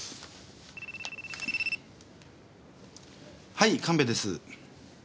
はい神戸です。